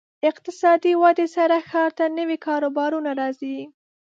اقتصادي ودې سره ښار ته نوي کاروبارونه راځي.